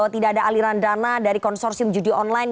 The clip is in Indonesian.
tidak ada aliran dana dari konsorsium judi online